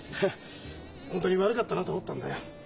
本当に悪かったなと思ったんだよ。